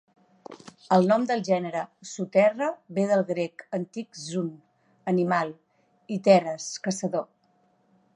El nom del gènere "Zoothera" ve del grec antic "zoon", "animal" i "theras", "caçador".